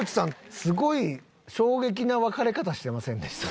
すごい衝撃な別れ方してませんでしたっけ？